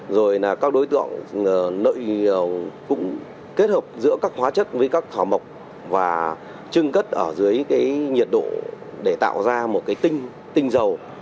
rồi các đối tượng cũng kết hợp giữa các hóa chất với các thảo mộc và trưng cất ở dưới nhiệt độ để tạo ra một tinh dầu